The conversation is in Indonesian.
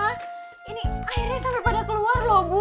wah ini akhirnya sampai pada keluar loh bu